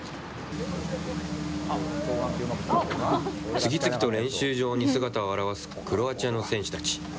次々と練習場に姿を現すクロアチアの選手たち。